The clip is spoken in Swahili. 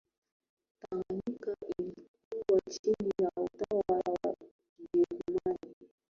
tanganyika ilikuwa chini ya utawala wa kijerumani